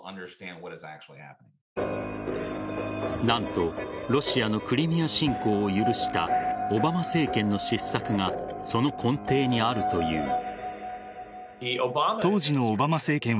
何と、ロシアのクリミア侵攻を許した、オバマ政権の失策がその根底にあるという。